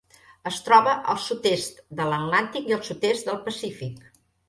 Es troba al sud-est de l'Atlàntic i el sud-est del Pacífic.